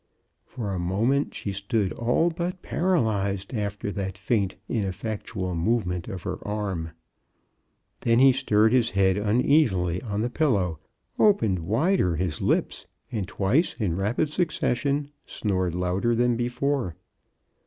For a moment she stood all but para lyzed after that faint ineffectual movement of her arm. Then he stirred his head uneasily on the pillow, opened wider his lips, and twice in rapid succession snored louder than before.